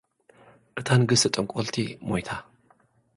እታ ንግስቲ ጠንቆልቲ ሞይታ።